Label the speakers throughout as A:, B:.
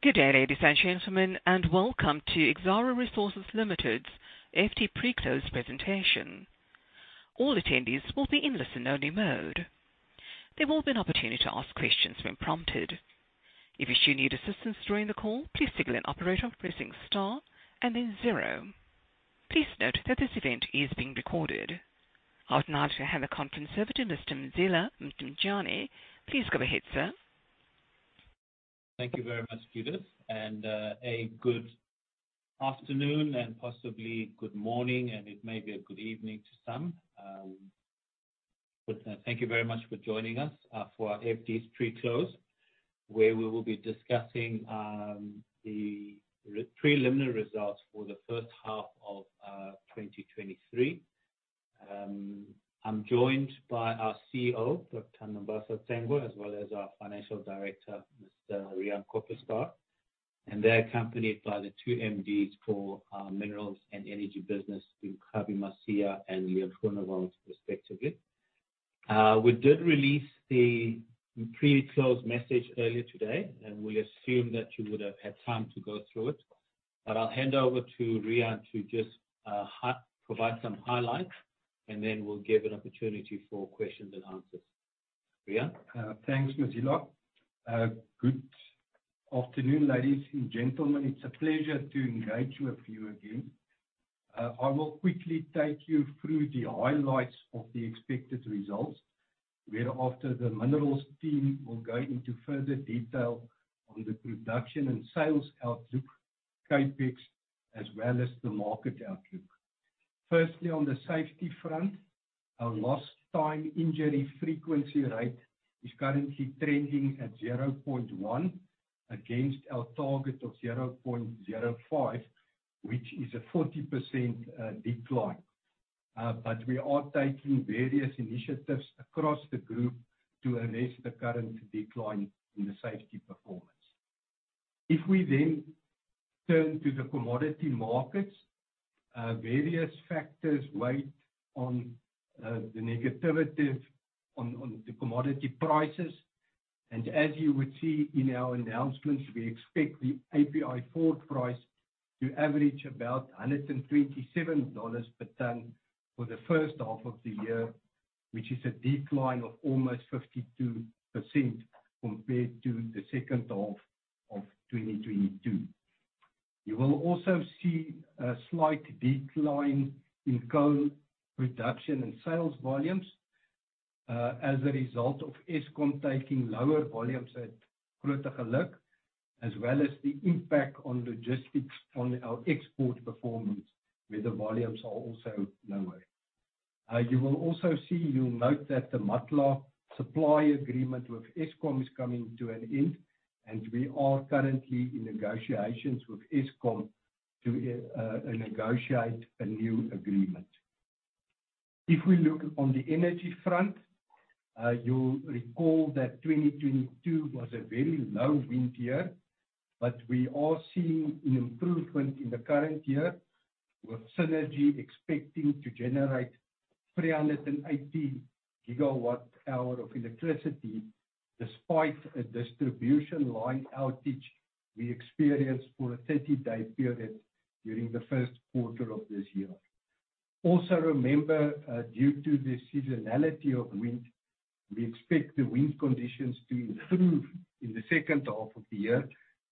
A: Good day, ladies and gentlemen, and welcome to Exxaro Resources Limited's FD Pre-Close presentation. All attendees will be in listen-only mode. There will be an opportunity to ask questions when prompted. If you do need assistance during the call, please signal an operator by pressing star and then zero. Please note that this event is being recorded. I would now like to hand the conference over to Mr. Mzila Mthenjane. Please go ahead, sir.
B: Thank you very much, Judith, and a good afternoon, and possibly good morning, and it may be a good evening to some. Thank you very much for joining us for Exxaro's Pre-Closed, where we will be discussing the preliminary results for the first half of 2023. I'm joined by our CEO, Dr. Nombasa Tsengwa, as well as our Financial Director, Mr. Riaan Koppeschaar, and they're accompanied by the two MDs for Minerals and Energy Business, Kgabi Masia and Leon Groenewald, respectively. We did release the pre-closed message earlier today, and we assume that you would have had time to go through it. I'll hand over to Riaan to just provide some highlights, and then we'll give an opportunity for questions and answers. Riaan?
C: Thanks, Mzila. Good afternoon, ladies and gentlemen. It's a pleasure to invite you a few again. I will quickly take you through the highlights of the expected results, whereafter the Minerals team will go into further detail on the production and sales outlook, CapEx, as well as the market outlook. Firstly, on the safety front, our lost-time injury frequency rate is currently trending at 0.1 against our target of 0.05, which is a 40% decline. We are taking various initiatives across the group to arrest the current decline in the safety performance. If we then turn to the commodity markets, various factors wait on the negativity on the commodity prices. As you would see in our announcements, we expect the API 4 price to average about $127 per tonne for the first half of the year, which is a decline of almost 52% compared to the second half of 2022. You will also see a slight decline in coal production and sales volumes as a result of Eskom taking lower volumes at Grootegeluk, as well as the impact on logistics on our export performance, where the volumes are also lower. You will also see, you'll note that the Matla supply agreement with Eskom is coming to an end, and we are currently in negotiations with Eskom to negotiate a new agreement. If we look on the energy front, you'll recall that 2022 was a very low wind year, but we are seeing an improvement in the current year with Cennergi expecting to generate 380 gigawatt-hour of electricity despite a distribution line outage we experienced for a 30-day period during the first quarter of this year. Also, remember, due to the seasonality of wind, we expect the wind conditions to improve in the second half of the year,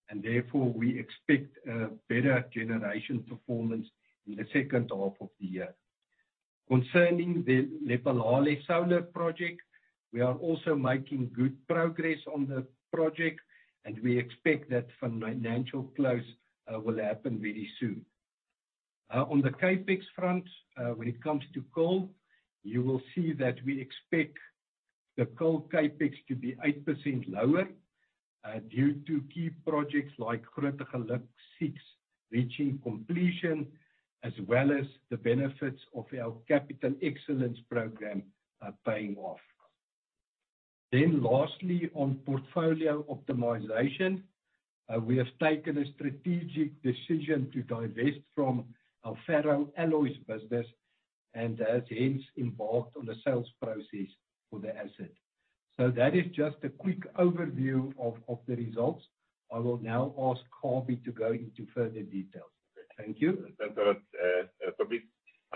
C: and therefore we expect a better generation performance in the second half of the year. Concerning the Lephalale Solar Project, we are also making good progress on the project, and we expect that financial close will happen very soon. On the CapEx front, when it comes to coal, you will see that we expect the coal CapEx to be 8% lower due to key projects like Grootegeluk 6 reaching completion, as well as the benefits of our Capital Excellence Program paying off. Lastly, on portfolio optimization, we have taken a strategic decision to divest from our ferroalloys business and hence embarked on a sales process for the asset. That is just a quick overview of the results. I will now ask Kgabi to go into further details. Thank you.
D: Thank you, Mr.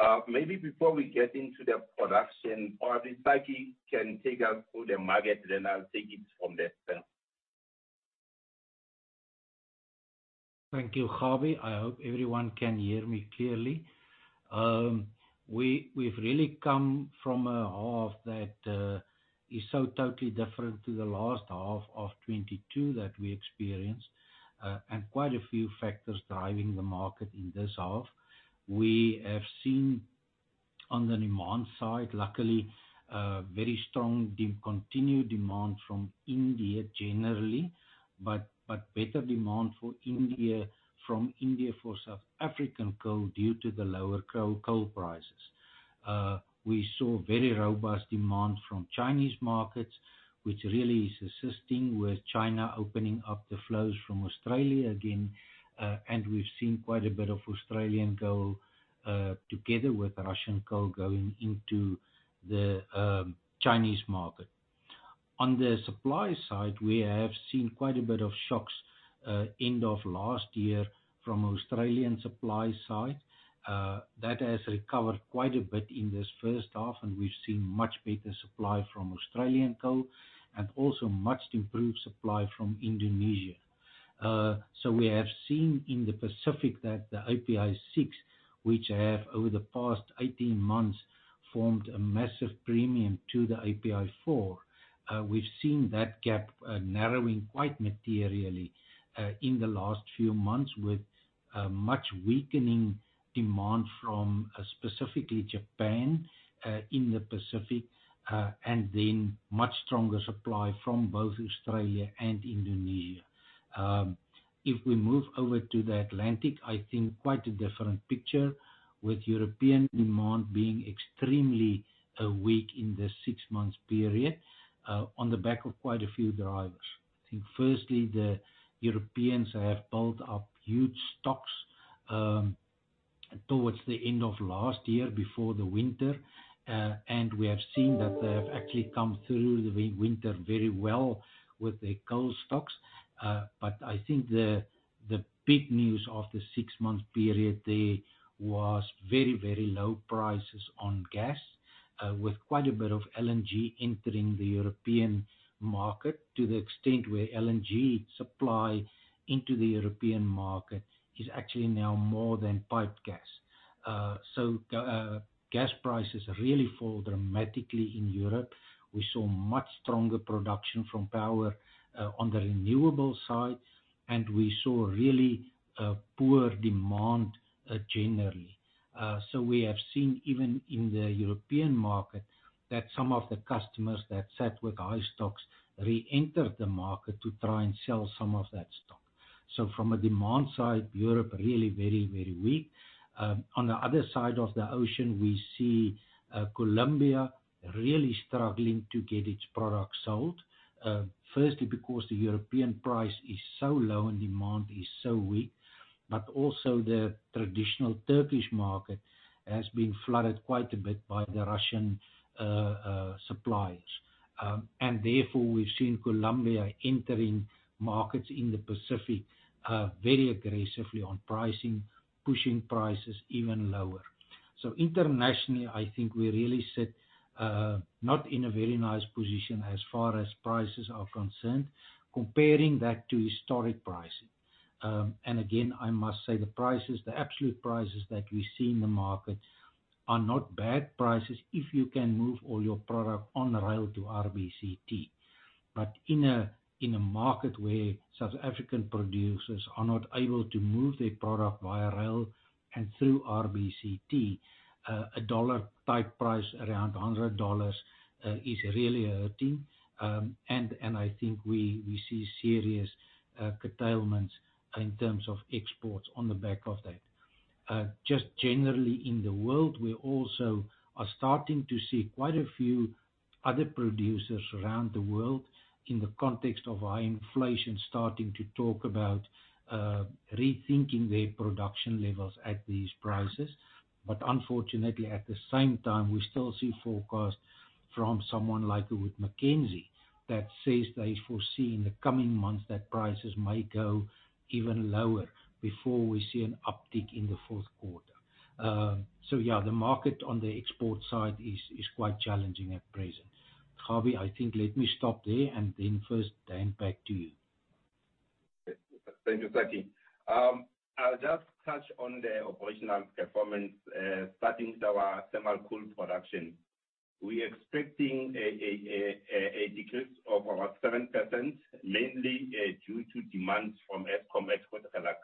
D: Riaan. Maybe before we get into the production, Kgabi can take us through the market, then I'll take it from there.
C: Thank you, Kgabi. I hope everyone can hear me clearly. We have really come from a half that is so totally different to the last half of 2022 that we experienced, and quite a few factors driving the market in this half. We have seen on the demand side, luckily, very strong continued demand from India generally, but better demand from India for South African coal due to the lower coal prices. We saw very robust demand from Chinese markets, which really is assisting with China opening up the flows from Australia again, and we have seen quite a bit of Australian coal together with Russian coal going into the Chinese market. On the supply side, we have seen quite a bit of shocks end of last year from Australian supply side. That has recovered quite a bit in this first half, and we've seen much better supply from Australian coal and also much improved supply from Indonesia. We have seen in the Pacific that the API 6, which have over the past 18 months formed a massive premium to the API 4, we've seen that gap narrowing quite materially in the last few months with much weakening demand from specifically Japan in the Pacific and then much stronger supply from both Australia and Indonesia. If we move over to the Atlantic, I think quite a different picture with European demand being extremely weak in this six-month period on the back of quite a few drivers. I think firstly, the Europeans have built up huge stocks towards the end of last year before the winter, and we have seen that they have actually come through the winter very well with their coal stocks. I think the big news of the six-month period there was very, very low prices on gas with quite a bit of LNG entering the European market to the extent where LNG supply into the European market is actually now more than piped gas. Gas prices really fall dramatically in Europe. We saw much stronger production from power on the renewable side, and we saw really poor demand generally. We have seen even in the European market that some of the customers that sat with high stocks re-entered the market to try and sell some of that stock. From a demand side, Europe really very, very weak. On the other side of the ocean, we see Colombia really struggling to get its product sold, firstly because the European price is so low and demand is so weak, but also the traditional Turkish market has been flooded quite a bit by the Russian suppliers. Therefore, we've seen Colombia entering markets in the Pacific very aggressively on pricing, pushing prices even lower. Internationally, I think we really sit not in a very nice position as far as prices are concerned, comparing that to historic pricing. Again, I must say the prices, the absolute prices that we see in the market are not bad prices if you can move all your product on rail to RBCT. In a market where South African producers are not able to move their product via rail and through RBCT, a dollar-type price around $100 is really hurting. I think we see serious curtailments in terms of exports on the back of that. Just generally in the world, we also are starting to see quite a few other producers around the world in the context of high inflation starting to talk about rethinking their production levels at these prices. Unfortunately, at the same time, we still see forecasts from someone like McKinsey that says they foresee in the coming months that prices may go even lower before we see an uptick in the fourth quarter. Yeah, the market on the export side is quite challenging at present. Kgabi, I think let me stop there and then first hand back to you.
E: Thank you, Kgabi. I'll just touch on the operational performance starting our thermal coal production. We are expecting a decrease of about 7%, mainly due to demands from Eskom and Grootegeluk.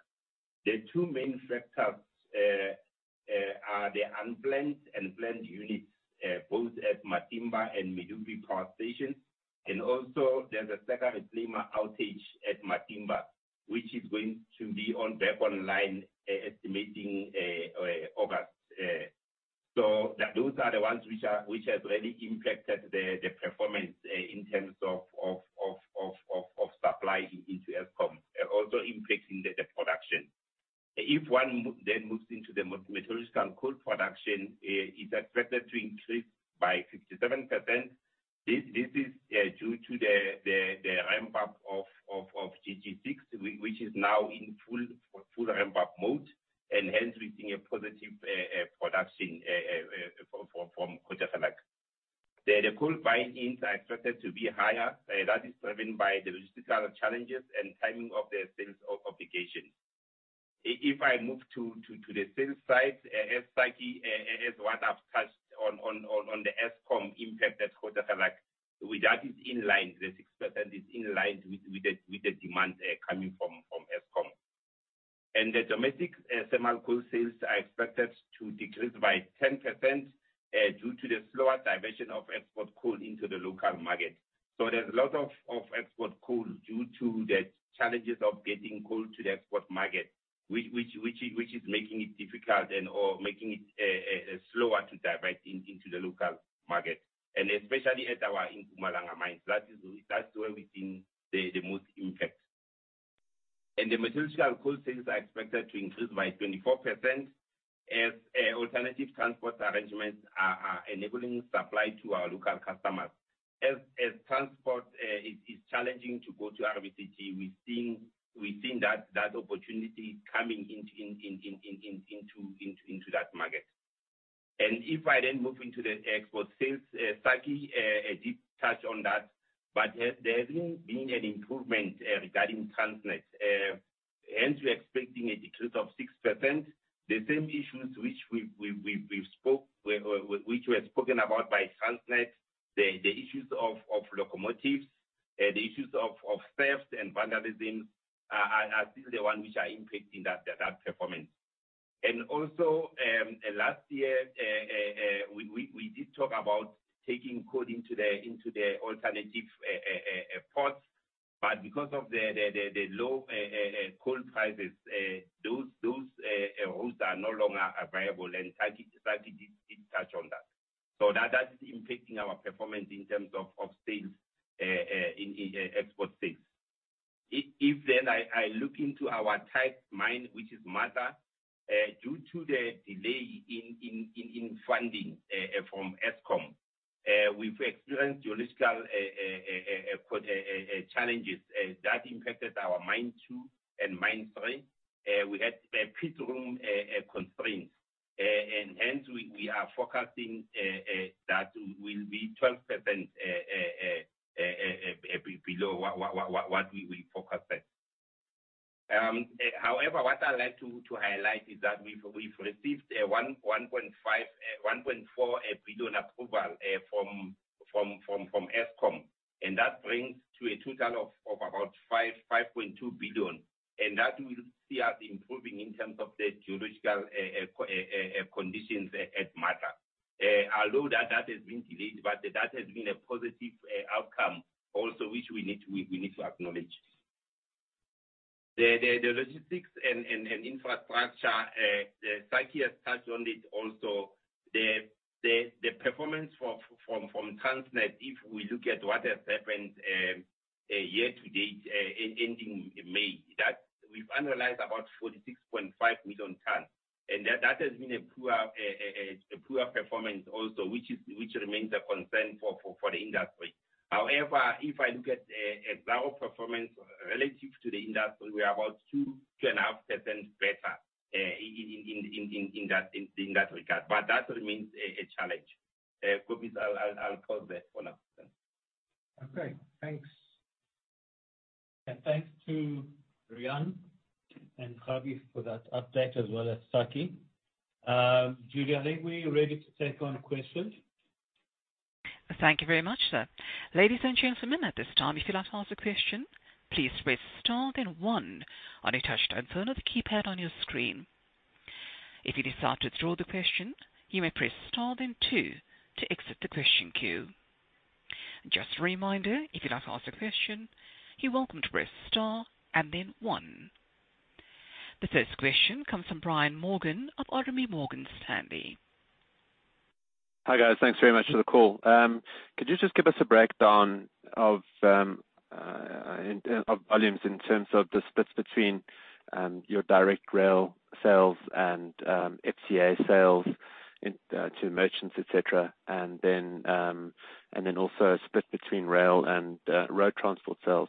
E: The two main factors are the unplanned and planned units, both at Matimba and Medupi Power Stations. There is also a second claim outage at Matimba, which is going to be back online estimating August. Those are the ones which have really impacted the performance in terms of supply into Eskom, also impacting the production. If one then moves into the metallurgical coal production, it's expected to increase by 57%. This is due to the ramp-up of GG6, which is now in full ramp-up mode, and hence we're seeing a positive production from Grootegeluk. The coal buy-ins are expected to be higher. That is driven by the logistical challenges and timing of their sales obligations. If I move to the sales side, as what I've touched on the Eskom impact at Grootegeluk, that is in line, the 6% is in line with the demand coming from Eskom. The domestic thermal coal sales are expected to decrease by 10% due to the slower diversion of export coal into the local market. There is a lot of export coal due to the challenges of getting coal to the export market, which is making it difficult and/or making it slower to divert into the local market, especially at our Mpumalanga mines. That is where we've seen the most impact. The metallurgical coal sales are expected to increase by 24% as alternative transport arrangements are enabling supply to our local customers. As transport is challenging to go to RBCT, we've seen that opportunity coming into that market. If I then move into the export sales, Kgabi, a deep touch on that, but there has been an improvement regarding Transnet. Hence, we're expecting a decrease of 6%. The same issues which we've spoken about by Transnet, the issues of locomotives, the issues of thefts and vandalisms are still the ones which are impacting that performance. Also, last year, we did talk about taking coal into the alternative ports, but because of the low coal prices, those routes are no longer available, and Kgabi did touch on that. That is impacting our performance in terms of sales in export sales. If I look into our type mine, which is Matla, due to the delay in funding from Eskom, we've experienced geological challenges. That impacted our mine two and mine three. We had pit room constraints, and hence we are focusing that will be 12% below what we focused at. However, what I'd like to highlight is that we've received 1.4 billion approval from Eskom, and that brings to a total of about 5.2 billion, and that we see as improving in terms of the geological conditions at Matla. Although that has been delayed, that has been a positive outcome also which we need to acknowledge. The logistics and infrastructure, Sakkie has touched on it also. The performance from Transnet, if we look at what has happened year to date ending May, that we've analyzed about 46.5 million tons, and that has been a poor performance also, which remains a concern for the industry. However, if I look at our performance relative to the industry, we are about 2.5% better in that regard, but that remains a challenge. Kgabi, I'll pause there for now.
B: Okay. Thanks. Thanks to Riaan and Kgabi for that update as well as Sakkie. Judith, are we ready to take on questions?
A: Thank you very much, sir. Ladies and gentlemen, at this time, if you'd like to ask a question, please press star then one on a touch-tone phone or the keypad on your screen. If you decide to withdraw the question, you may press star then two to exit the question queue. Just a reminder, if you'd like to ask a question, you're welcome to press star and then one. The first question comes from Brian Morgan of RMB Morgan Stanley.
F: Hi guys, thanks very much for the call. Could you just give us a breakdown of volumes in terms of the splits between your direct rail sales and FCA sales to merchants, etc., and then also a split between rail and road transport sales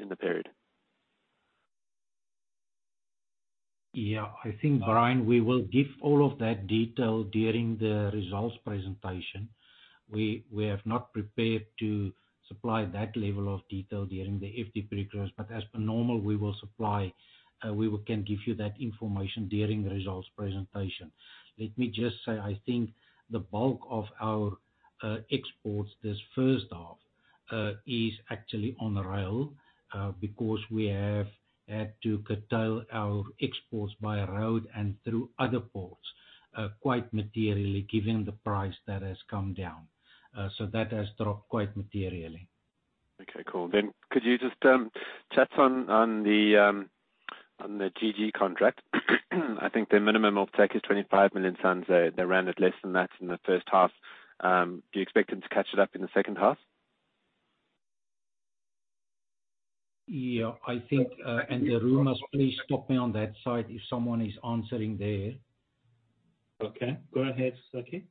F: in the period?
E: Yeah, I think Brian, we will give all of that detail during the results presentation. We have not prepared to supply that level of detail during the FDP recurrence, but as per normal, we will supply. We can give you that information during the results presentation. Let me just say, I think the bulk of our exports this first half is actually on rail because we have had to curtail our exports by road and through other ports quite materially given the price that has come down. That has dropped quite materially.
F: Okay, cool. Could you just touch on the GG contract? I think the minimum offtake is 25 million tons. They ran at less than that in the first half. Do you expect them to catch it up in the second half?
B: Yeah, I think, and the Riaan, please stop me on that side if someone is answering there. Okay. Go ahead, Sakkie.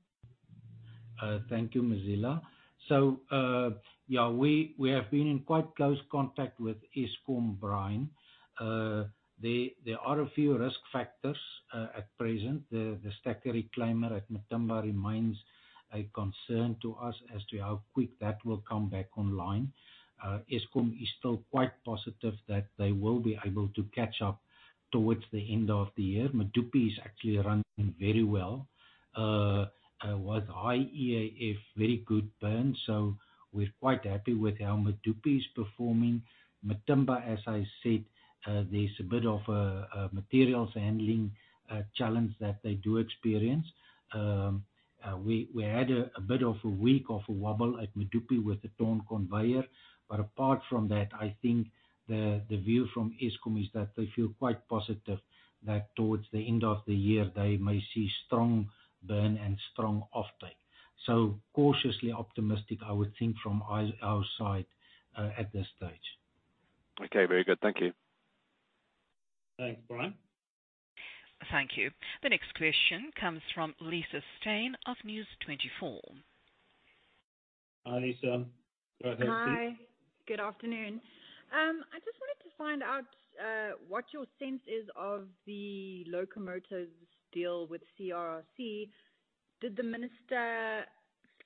G: Thank you, Mzila. Yeah, we have been in quite close contact with Eskom, Brian. There are a few risk factors at present. The stack reclaimer at Matimba remains a concern to us as to how quick that will come back online. Eskom is still quite positive that they will be able to catch up towards the end of the year. Medupi is actually running very well with high EAF, very good burn. We are quite happy with how Medupi is performing. Matimba, as I said, there is a bit of a materials handling challenge that they do experience. We had a bit of a week of a wobble at Medupi with the torn conveyor. Apart from that, I think the view from Eskom is that they feel quite positive that towards the end of the year, they may see strong burn and strong offtake. Cautiously optimistic, I would think, from our side at this stage.
F: Okay, very good. Thank you.
G: Thanks, Brian.
A: Thank you. The next question comes from Lisa Steyn of News24.
B: Hi, Lisa. Go ahead, please.
H: Hi. Good afternoon. I just wanted to find out what your sense is of the locomotives deal with CRRC. Did the minister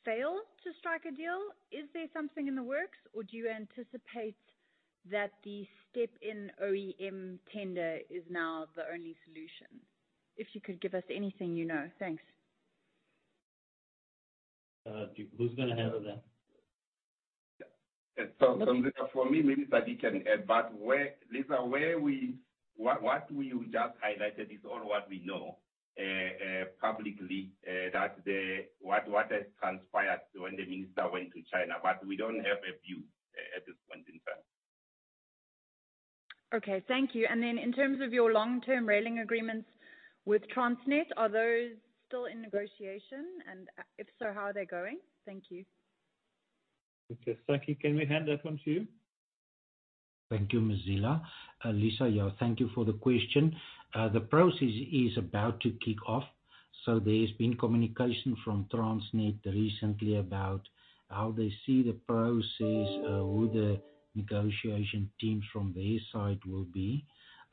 H: fail to strike a deal? Is there something in the works, or do you anticipate that the step-in OEM tender is now the only solution? If you could give us anything you know. Thanks.
B: Who's going to handle that?
E: For me, maybe Sakkie can, but Lisa, what we just highlighted is all what we know publicly that what has transpired when the minister went to China, but we do not have a view at this point in time.
G: Thank you. In terms of your long-term railing agreements with Transnet, are those still in negotiation? If so, how are they going? Thank you.
B: Okay, Sakkie, can we hand that one to you?
E: Thank you, Mzila. Lisa, yeah, thank you for the question. The process is about to kick off. There has been communication from Transnet recently about how they see the process, who the negotiation teams from their side will be.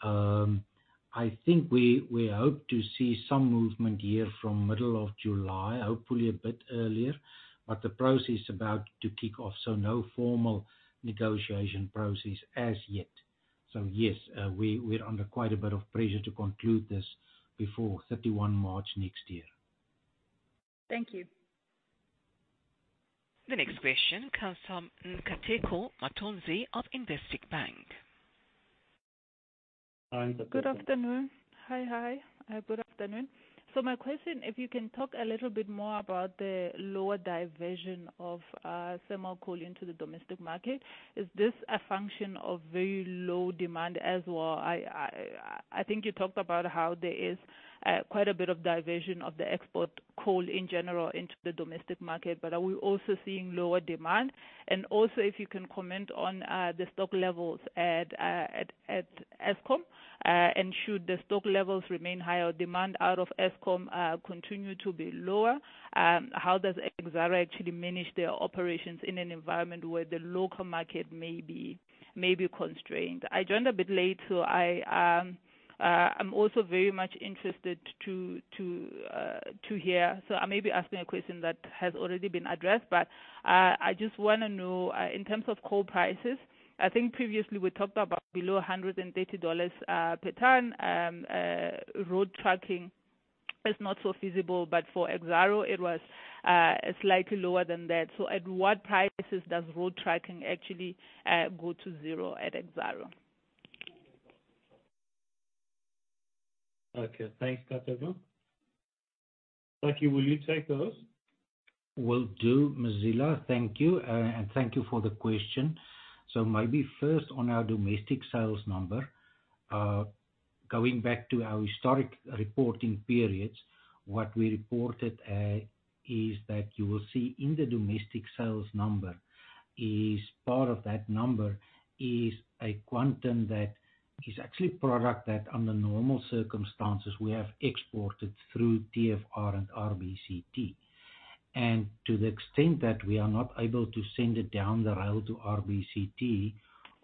E: I think we hope to see some movement here from middle of July, hopefully a bit earlier, but the process is about to kick off. No formal negotiation process as yet. Yes, we're under quite a bit of pressure to conclude this before 31 March next year.
H: Thank you.
A: The next question comes from Nkateko Mathonsi of Investec Bank.
I: Good afternoon. Hi, hi. Good afternoon. My question, if you can talk a little bit more about the lower diversion of thermal coal into the domestic market, is this a function of very low demand as well? I think you talked about how there is quite a bit of diversion of the export coal in general into the domestic market, but are we also seeing lower demand? If you can comment on the stock levels at Eskom, and should the stock levels remain higher, demand out of Eskom continue to be lower? How does Exxaro actually manage their operations in an environment where the local market may be constrained? I joined a bit late, so I am also very much interested to hear. I may be asking a question that has already been addressed, but I just want to know, in terms of coal prices, I think previously we talked about below $130 per tonne. Road trucking is not so feasible, but for Exxaro, it was slightly lower than that. At what prices does road trucking actually go to zero at Exxaro?
B: Okay, thanks, Kgabi. Sakkie, will you take those?
G: Will do, Mzila. Thank you. Thank you for the question. Maybe first on our domestic sales number, going back to our historic reporting periods, what we reported is that you will see in the domestic sales number is part of that number is a quantum that is actually product that under normal circumstances we have exported through TFR and RBCT. To the extent that we are not able to send it down the rail to RBCT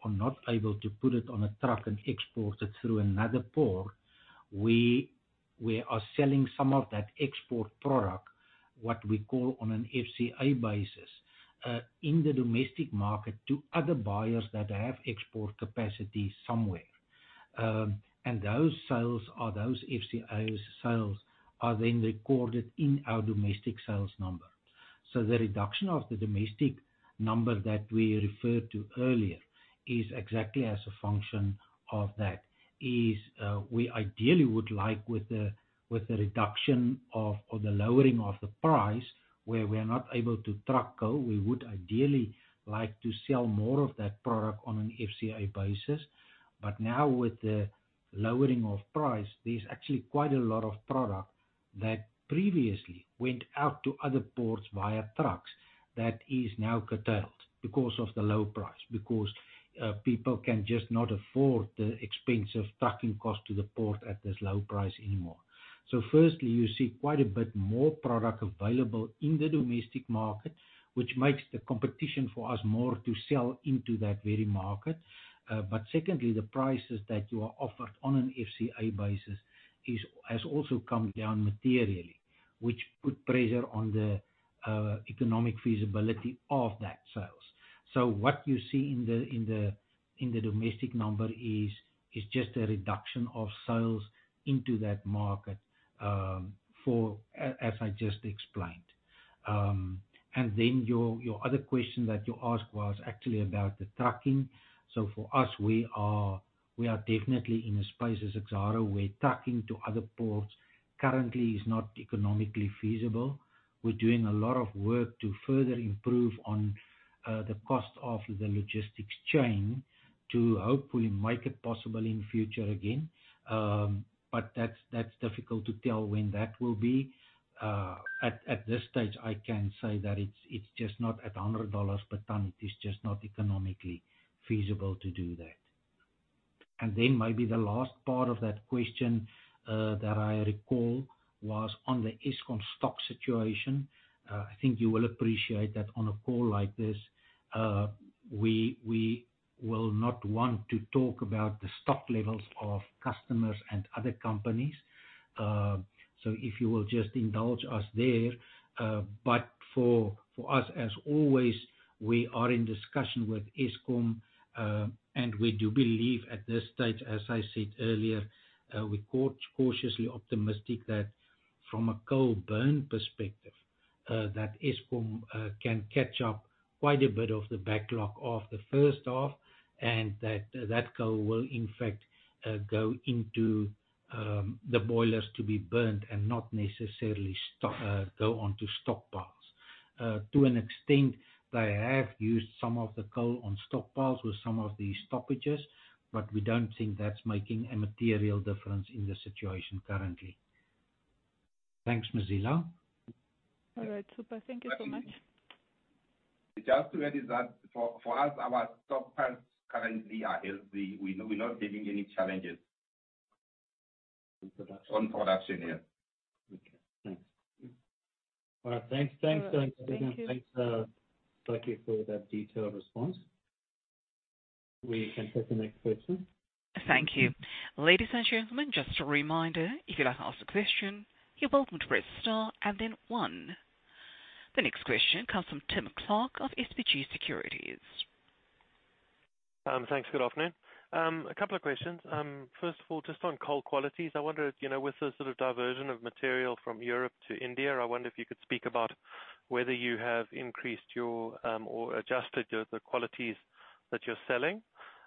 G: or not able to put it on a truck and export it through another port, we are selling some of that export product, what we call on an FCA basis, in the domestic market to other buyers that have export capacity somewhere. Those sales, those FCA sales, are then recorded in our domestic sales number. The reduction of the domestic number that we referred to earlier is exactly as a function of that. We ideally would like, with the reduction of or the lowering of the price where we're not able to truck, to go, we would ideally like to sell more of that product on an FCA basis. Now, with the lowering of price, there's actually quite a lot of product that previously went out to other ports via trucks that is now curtailed because of the low price, because people can just not afford the expensive trucking cost to the port at this low price anymore. Firstly, you see quite a bit more product available in the domestic market, which makes the competition for us more to sell into that very market. Secondly, the prices that you are offered on an FCA basis have also come down materially, which puts pressure on the economic feasibility of that sales. What you see in the domestic number is just a reduction of sales into that market for, as I just explained. Your other question that you asked was actually about the trucking. For us, we are definitely in a space as Exxaro where trucking to other ports currently is not economically feasible. We are doing a lot of work to further improve on the cost of the logistics chain to hopefully make it possible in future again. That is difficult to tell when that will be. At this stage, I can say that it is just not at $100 per tonne. It is just not economically feasible to do that. Maybe the last part of that question that I recall was on the Eskom stock situation. I think you will appreciate that on a call like this, we will not want to talk about the stock levels of customers and other companies. If you will just indulge us there. For us, as always, we are in discussion with Eskom, and we do believe at this stage, as I said earlier, we're cautiously optimistic that from a coal burn perspective, Eskom can catch up quite a bit of the backlog of the first half, and that coal will in fact go into the boilers to be burned and not necessarily go on to stockpiles. To an extent, they have used some of the coal on stockpiles with some of the stoppages, but we don't think that's making a material difference in the situation currently. Thanks, Mzila.
I: All right, super. Thank you so much.
G: Just to add is that for us, our stockpiles currently are healthy. We're not having any challenges on production, yes.
B: Okay, thanks. All right, thanks. Thanks, Sakkie, for that detailed response. We can take the next question.
A: Thank you. Ladies and gentlemen, just a reminder, if you'd like to ask a question, you're welcome to press star and then one. The next question comes from Tim Clark of SBG Securities.
J: Thanks, good afternoon. A couple of questions. First of all, just on coal qualities, I wondered with the sort of diversion of material from Europe to India, I wonder if you could speak about whether you have increased your or adjusted the qualities that you're selling.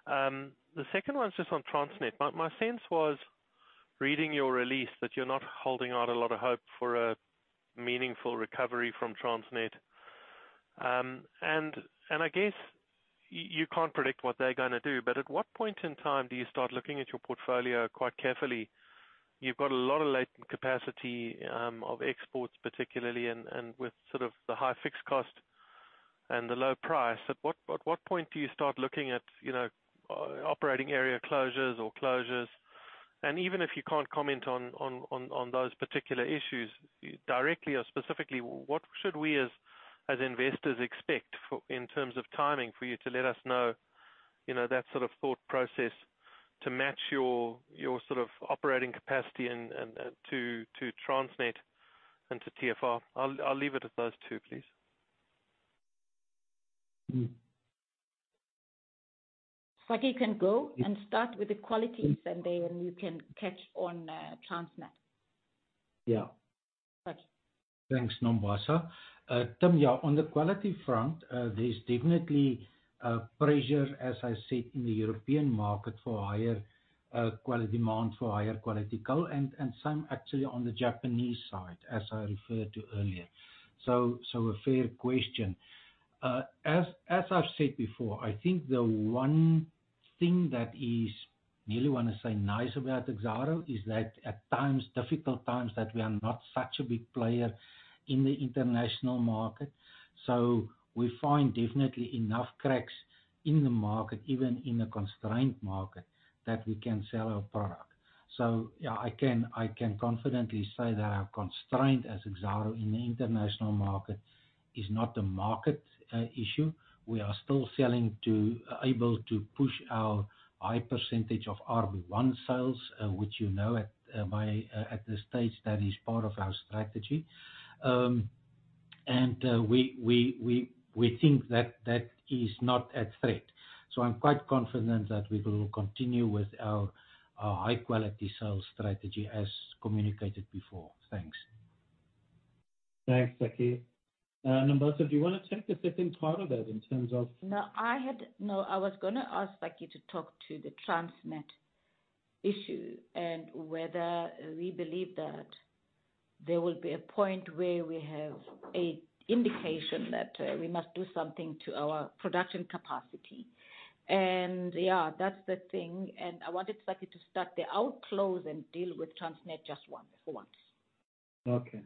J: The second one's just on Transnet. My sense was reading your release that you're not holding out a lot of hope for a meaningful recovery from Transnet. I guess you can't predict what they're going to do, but at what point in time do you start looking at your portfolio quite carefully? You've got a lot of latent capacity of exports, particularly, and with sort of the high fixed cost and the low price. At what point do you start looking at operating area closures or closures? Even if you can't comment on those particular issues directly or specifically, what should we as investors expect in terms of timing for you to let us know that sort of thought process to match your sort of operating capacity to Transnet and to TFR? I'll leave it at those two, please.
E: Sakkie can go and start with the quality, and then you can catch on Transnet.
G: Yeah. Thanks, Nombasa. Tim, yeah, on the quality front, there's definitely pressure, as I said, in the European market for higher demand for higher quality coal, and some actually on the Japanese side, as I referred to earlier. A fair question. As I've said before, I think the one thing that is, nearly want to say nice about Exxaro is that at times, difficult times, that we are not such a big player in the international market. We find definitely enough cracks in the market, even in a constrained market, that we can sell our product. Yeah, I can confidently say that our constraint as Exxaro in the international market is not a market issue. We are still able to push our high percentage of RB1 sales, which you know at this stage that is part of our strategy.
E: We think that that is not a threat. I'm quite confident that we will continue with our high-quality sales strategy as communicated before. Thanks. Thanks, Sakkie. Nombasa, do you want to take a second part of that in terms of. No, I was going to ask Sakkie to talk to the Transnet issue and whether we believe that there will be a point where we have an indication that we must do something to our production capacity. Yeah, that's the thing. I wanted Sakkie to start the outclose and deal with Transnet just once for once.
B: Okay.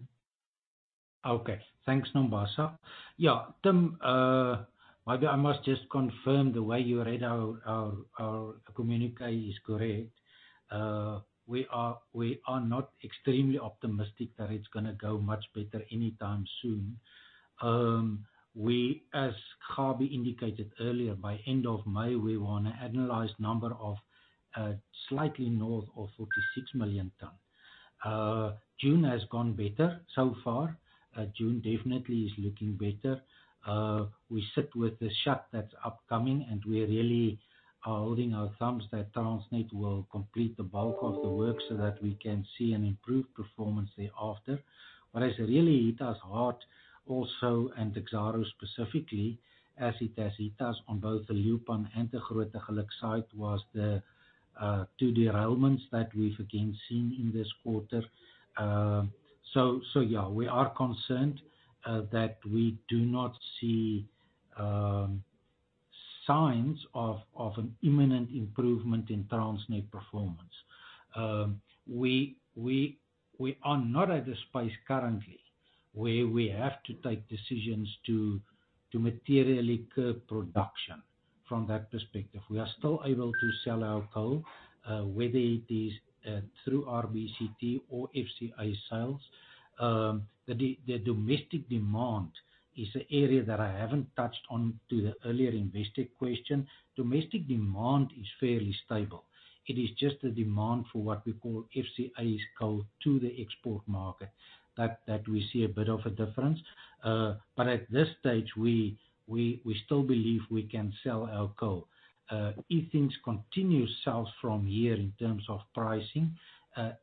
G: Okay. Thanks, Nombasa. Yeah, Tim, maybe I must just confirm the way you read our communication is correct. We are not extremely optimistic that it's going to go much better anytime soon. We, as Kgabi indicated earlier, by end of May, we want to analyze number of slightly north of 46 million tonnes. June has gone better so far. June definitely is looking better. We sit with the shock that's upcoming, and we're really holding our thumbs that Transnet will complete the bulk of the work so that we can see an improved performance thereafter. What has really hit us hard also in Exxaro specifically, as it has hit us on both the Leeuwpan and Grootegeluk site, was the two derailments that we've again seen in this quarter. Yeah, we are concerned that we do not see signs of an imminent improvement in Transnet performance. We are not at a space currently where we have to take decisions to materially curb production from that perspective. We are still able to sell our coal, whether it is through RBCT or FCA sales. The domestic demand is an area that I have not touched on to the earlier investor question. Domestic demand is fairly stable. It is just the demand for what we call FCA's coal to the export market that we see a bit of a difference. At this stage, we still believe we can sell our coal. If things continue to sell from here in terms of pricing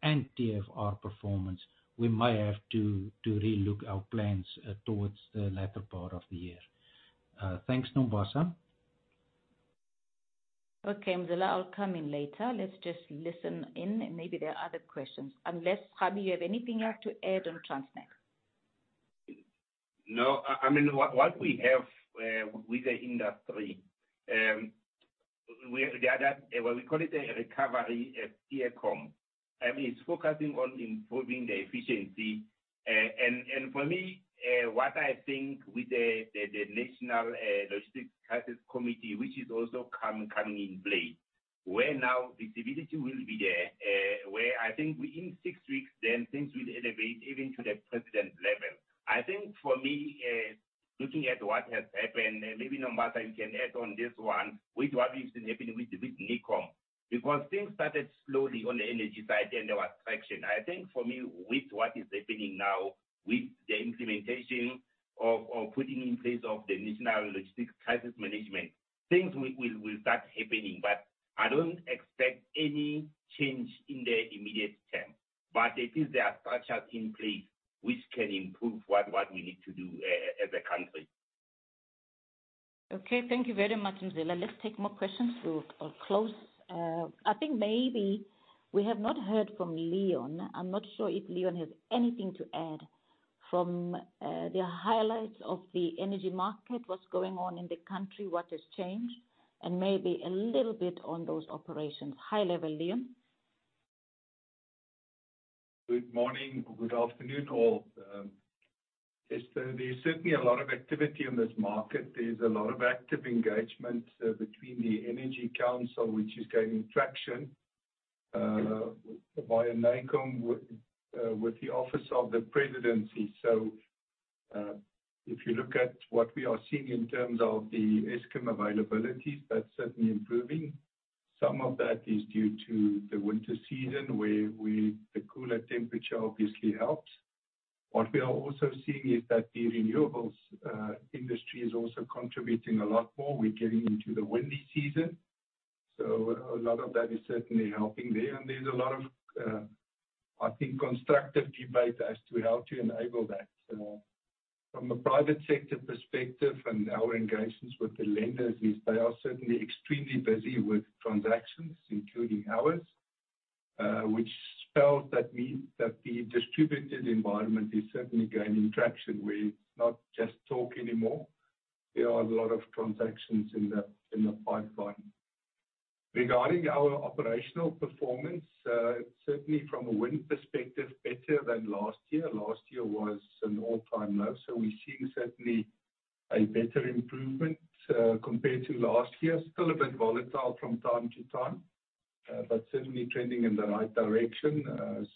G: and TFR performance, we may have to relook our plans towards the latter part of the year. Thanks, Nombasa. Okay, Mzila, I'll come in later. Let's just listen in, and maybe there are other questions. Unless, Kgabi, you have anything else to add on Transnet?
K: No, I mean, what we have with the industry, what we call it a recovery at TFR, it's focusing on improving the efficiency. For me, what I think with the National Logistics Crisis Committee, which is also coming in play, where now visibility will be there, where I think within six weeks, then things will elevate even to the president level. I think for me, looking at what has happened, maybe Nombasa, you can add on this one with what we've been happening with NECOM, because things started slowly on the energy side and there was traction. I think for me, with what is happening now with the implementation or putting in place of the National Logistics Crisis Management, things will start happening, but I don't expect any change in the immediate term. It is there are structures in place which can improve what we need to do as a country.
D: Okay, thank you very much, Mzila. Let's take more questions. We'll close. I think maybe we have not heard from Leon. I'm not sure if Leon has anything to add from the highlights of the energy market, what's going on in the country, what has changed, and maybe a little bit on those operations. High level, Leon.
L: Good morning or good afternoon all. There is certainly a lot of activity in this market. There is a lot of active engagement between the Energy Council, which is gaining traction via NECOM with the Office of the Presidency. If you look at what we are seeing in terms of the Eskom availabilities, that is certainly improving. Some of that is due to the winter season where the cooler temperature obviously helps. What we are also seeing is that the renewables industry is also contributing a lot more. We are getting into the windy season. A lot of that is certainly helping there. There is a lot of, I think, constructive debate as to how to enable that. From a private sector perspective and our engagements with the lenders, they are certainly extremely busy with transactions, including ours, which spells that means that the distributed environment is certainly gaining traction where it's not just talk anymore. There are a lot of transactions in the pipeline. Regarding our operational performance, it's certainly from a wind perspective better than last year. Last year was an all-time low. We are seeing certainly a better improvement compared to last year. Still a bit volatile from time to time, but certainly trending in the right direction.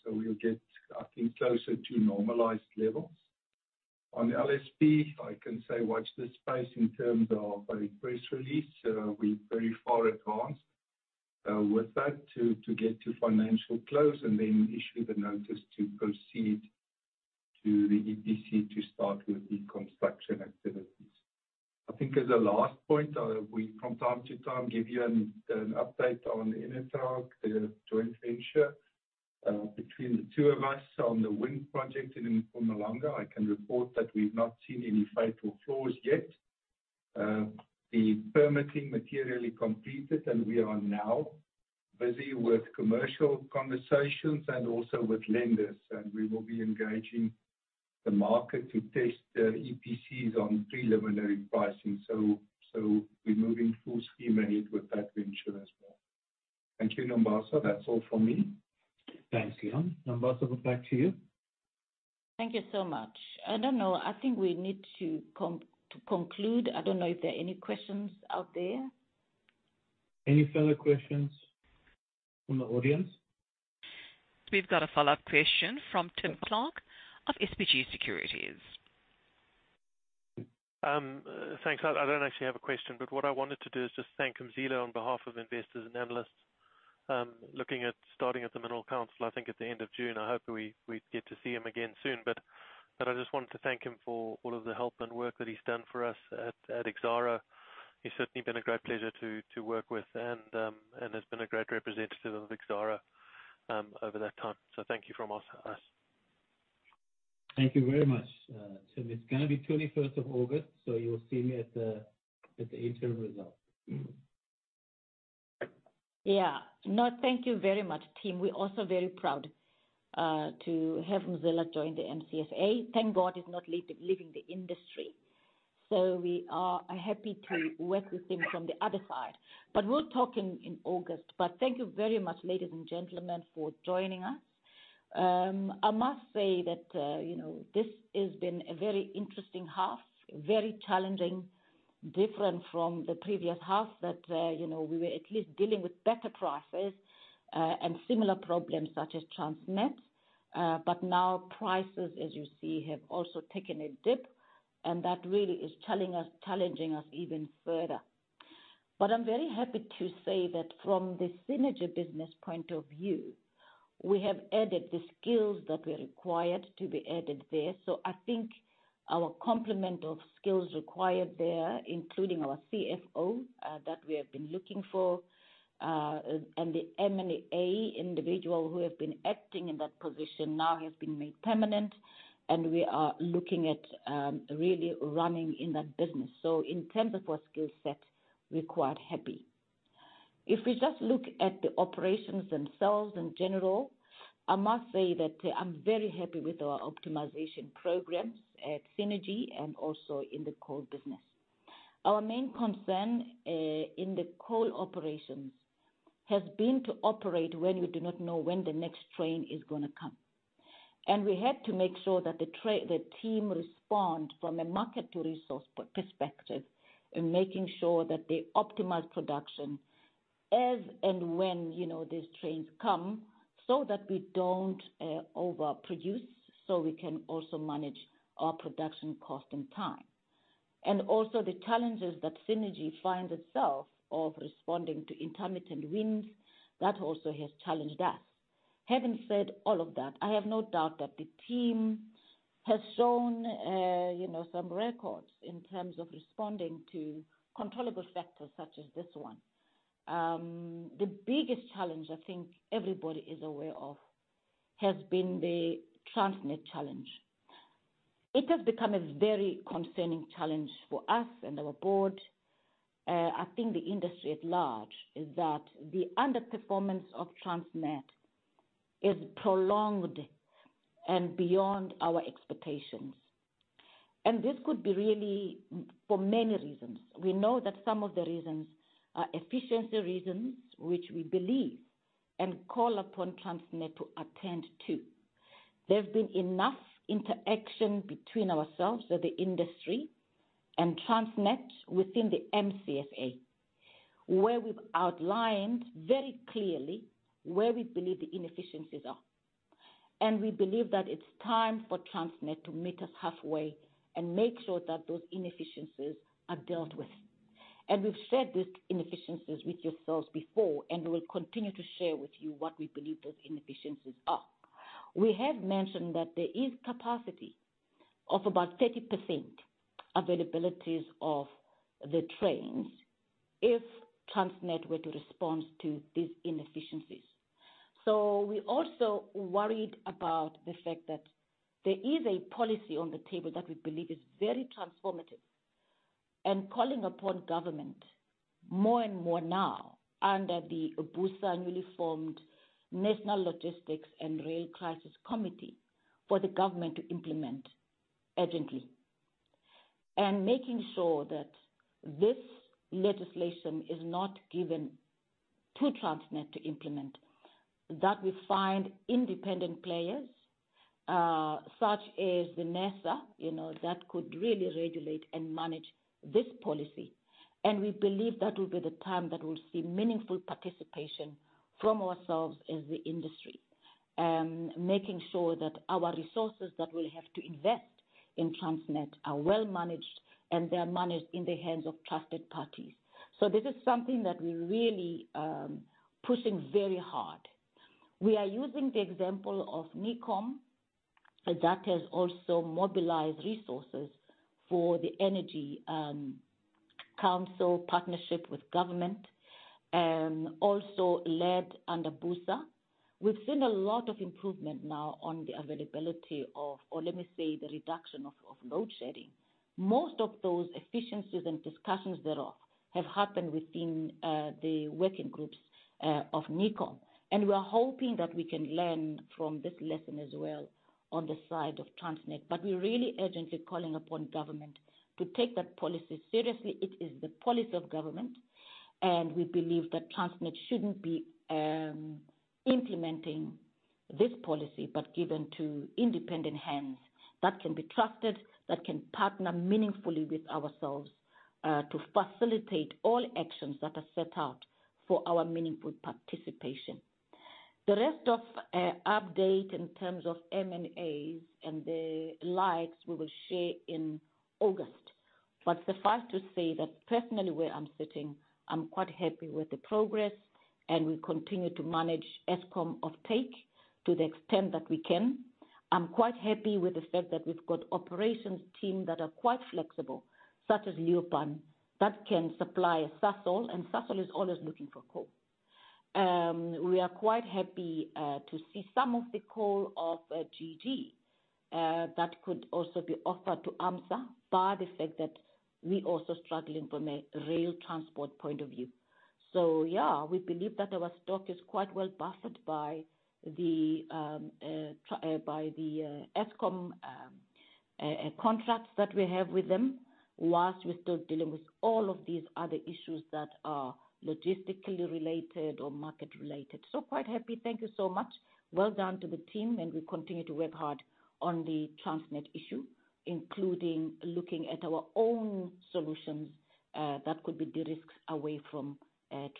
L: We will get, I think, closer to normalized levels. On the LSP, I can say, watch this space in terms of a press release. We are very far advanced with that to get to financial close and then issue the notice to proceed to the EPC to start with the construction activities. I think as a last point, from time to time, give you an update on Enertrag, the joint venture between the two of us on the wind project in Mpumalanga. I can report that we've not seen any fatal flaws yet. The permitting materially completed, and we are now busy with commercial conversations and also with lenders. We will be engaging the market to test the EPCs on preliminary pricing. We are moving full steam ahead with that venture as well. Thank you, Nombasa. That's all from me.
E: Thanks, Leon. Nombasa, back to you.
L: Thank you so much. I don't know. I think we need to conclude. I don't know if there are any questions out there.
E: Any further questions from the audience?
A: We've got a follow-up question from Tim Clark of SBG Securities.
J: Thanks. I don't actually have a question, but what I wanted to do is just thank Mzila on behalf of investors and analysts looking at starting at the Minerals Council, I think at the end of June. I hope we get to see him again soon. I just wanted to thank him for all of the help and work that he's done for us at Exxaro. He's certainly been a great pleasure to work with and has been a great representative of Exxaro over that time. Thank you from us.
E: Thank you very much, Tim. It's going to be 21st of August, so you'll see me at the interim result. Yeah. No, thank you very much, Tim. We're also very proud to have Mzila join the MCSA. Thank God he's not leaving the industry. We are happy to work with him from the other side. We will talk in August. Thank you very much, ladies and gentlemen, for joining us. I must say that this has been a very interesting half, very challenging, different from the previous half that we were at least dealing with better prices and similar problems such as Transnet. Now prices, as you see, have also taken a dip, and that really is challenging us even further. I am very happy to say that from the Cennergi business point of view, we have added the skills that were required to be added there. I think our complement of skills required there, including our CFO that we have been looking for and the M&A individual who have been acting in that position now has been made permanent, and we are looking at really running in that business. In terms of our skill set, we're quite happy. If we just look at the operations themselves in general, I must say that I'm very happy with our optimization programs at Cennergi and also in the coal business. Our main concern in the coal operations has been to operate when we do not know when the next train is going to come. We had to make sure that the team respond from a market-to-resource perspective and making sure that they optimize production as and when these trains come so that we do not overproduce so we can also manage our production cost in time. Also, the challenges that Cennergi finds itself responding to are intermittent winds that have also challenged us. Having said all of that, I have no doubt that the team has shown some records in terms of responding to controllable factors such as this one. The biggest challenge I think everybody is aware of has been the Transnet challenge. It has become a very concerning challenge for us and our board. I think the industry at large is that the underperformance of Transnet is prolonged and beyond our expectations. This could be really for many reasons. We know that some of the reasons are efficiency reasons, which we believe, and call upon Transnet to attend to. There has been enough interaction between ourselves and the industry and Transnet within the MCSA where we have outlined very clearly where we believe the inefficiencies are. We believe that it's time for Transnet to meet us halfway and make sure that those inefficiencies are dealt with. We've shared these inefficiencies with yourselves before, and we'll continue to share with you what we believe those inefficiencies are. We have mentioned that there is capacity of about 30% availabilities of the trains if Transnet were to respond to these inefficiencies. We're also worried about the fact that there is a policy on the table that we believe is very transformative and calling upon government more and more now under the BUSA newly formed National Logistics and Rail Crisis Committee for the government to implement urgently. Making sure that this legislation is not given to Transnet to implement, that we find independent players such as NERSA that could really regulate and manage this policy. We believe that will be the time that we'll see meaningful participation from ourselves as the industry, making sure that our resources that we'll have to invest in Transnet are well managed and they're managed in the hands of trusted parties. This is something that we're really pushing very hard. We are using the example of NECOM that has also mobilized resources for the Energy Council partnership with government, also led under BUSA. We've seen a lot of improvement now on the availability of, or let me say, the reduction of load shedding. Most of those efficiencies and discussions thereof have happened within the working groups of NECOM. We are hoping that we can learn from this lesson as well on the side of Transnet. We're really urgently calling upon government to take that policy seriously. It is the policy of government, and we believe that Transnet shouldn't be implementing this policy but given to independent hands that can be trusted, that can partner meaningfully with ourselves to facilitate all actions that are set out for our meaningful participation. The rest of the update in terms of M&As and the likes, we will share in August. Suffice to say that personally, where I'm sitting, I'm quite happy with the progress, and we continue to manage Eskom offtake to the extent that we can. I'm quite happy with the fact that we've got operations teams that are quite flexible, such as Leeuwpan, that can supply Sasol, and Sasol is always looking for coal. We are quite happy to see some of the coal of GG that could also be offered to AMSA by the fact that we also struggle from a rail transport point of view. Yeah, we believe that our stock is quite well buffered by the Eskom contracts that we have with them whilst we're still dealing with all of these other issues that are logistically related or market-related. Quite happy. Thank you so much. Well done to the team, and we continue to work hard on the Transnet issue, including looking at our own solutions that could be de-risked away from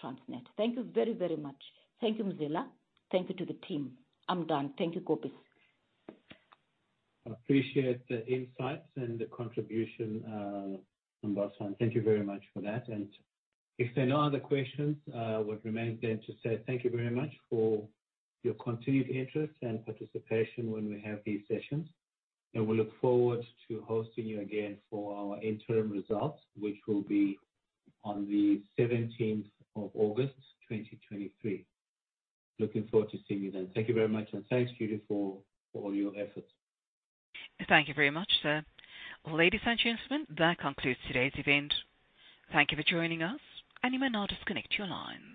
E: Transnet. Thank you very, very much. Thank you, Mzila. Thank you to the team. I'm done. Thank you, Kgabi.
C: I appreciate the insights and the contribution, Nombasa. Thank you very much for that. If there are no other questions, what remains then to say, thank you very much for your continued interest and participation when we have these sessions. We look forward to hosting you again for our interim results, which will be on the 17th of August, 2023. Looking forward to seeing you then. Thank you very much, and thanks, Judy, for all your efforts.
M: Thank you very much, sir. Ladies and gentlemen, that concludes today's event. Thank you for joining us, and you may now disconnect your line.